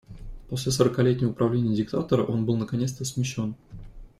После сорокалетнего правления диктатора он был наконец-то смещён.